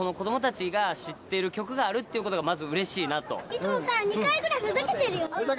いつもさ２回ぐらいふざけてるよね？